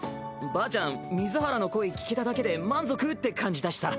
ばあちゃん水原の声聞けただけで満足って感じだしさ。